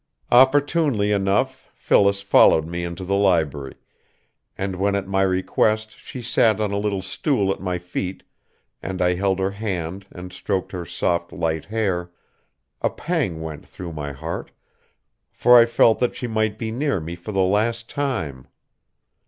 Opportunely enough Phyllis followed me into the library, and when at my request she sat on a little stool at my feet, and I held her hand and stroked her soft light hair, a pang went through my heart, for I felt that she might be near me for the last time.